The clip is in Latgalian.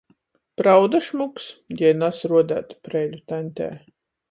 Prauda — šmuks? jei nas ruodeit Preiļu taņtei.